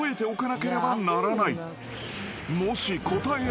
［もし］